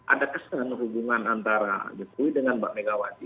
ada kesan hubungan antara jokowi dengan mbak megawati